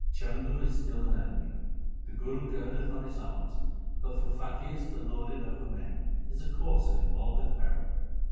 Chandu is still an enemy. The Guru girdeth on his arms, but for faqirs to lord it over men is a course that involveth peril.